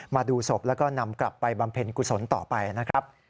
มาดูศพแล้วก็นำกลับไปบำเพ็ญกุศลต่อไปนะครับ